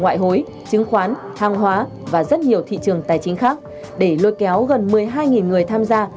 ngoại hối chứng khoán hàng hóa và rất nhiều thị trường tài chính khác để lôi kéo gần một mươi hai người tham gia